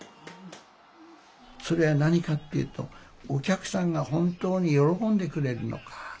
それは何かっていうとお客さんが本当に喜んでくれるのか。